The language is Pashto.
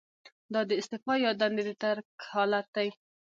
دا د استعفا یا دندې د ترک حالت دی.